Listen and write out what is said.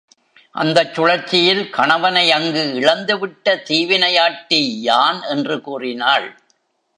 அந்தச் சுழற்சியில் கணவனை அங்கு இழந்து விட்ட தீ வினை யாட்டி யான் என்று கூறினாள்.